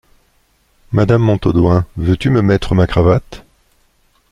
Madame Montaudoin, veux-tu me mettre ma cravate ?